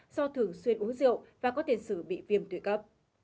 do thường xuyên uống rượu và có tiền sử bị viêm tùy cấp